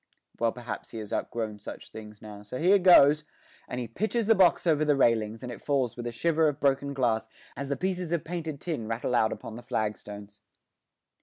Well, perhaps he has outgrown such things now, so here goes!' and he pitches the box over the railings, and it falls with a shiver of broken glass as the pieces of painted tin rattle out upon the flag stones.